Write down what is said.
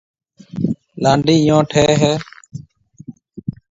لانڊي ايو ٺيَ ھيََََ